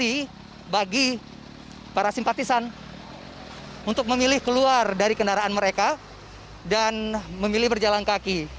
ini bagi para simpatisan untuk memilih keluar dari kendaraan mereka dan memilih berjalan kaki